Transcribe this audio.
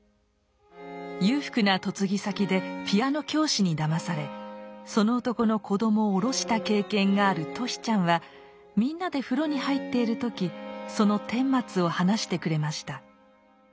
裕福な嫁ぎ先でピアノ教師にだまされその男の子どもをおろした経験がある俊ちゃんはみんなで風呂に入っている時その顛末を話してくれました。